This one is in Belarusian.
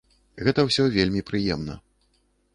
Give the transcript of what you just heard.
Гэта ўсё вельмі прыемна.